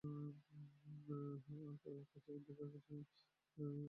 তার কাছে আর-কিছুই নেই, কিছুই না।